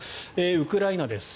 ウクライナです。